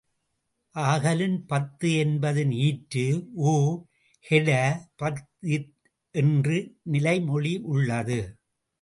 ஆகலின், பத்து என்பதின் ஈற்று உ கெட, பத்த் என்று நிலை மொழி உள்ளது.